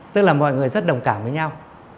tức là mọi người rất đồng cảm với nhau